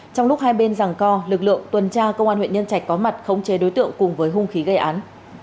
trong lúc hai bên rằng co lực lượng tuần tra công an huyện nhân trạch có mặt khống chế đối tượng cùng với hung khí gây án